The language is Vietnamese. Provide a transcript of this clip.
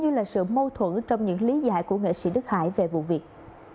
như là sự mâu thuẫn trong những lý giải của nghệ sĩ đức hải về vụ việc